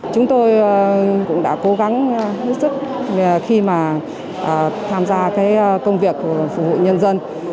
chúng tôi cũng đã cố gắng hữu sức khi mà tham gia công việc phục vụ nhân dân